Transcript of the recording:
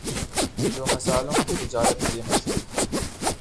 جو مسالوں کی تجارت کے لیے مشہور تھا